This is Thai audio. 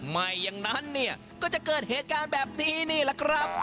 ไม่อย่างนั้นเนี่ยก็จะเกิดเหตุการณ์แบบนี้นี่แหละครับ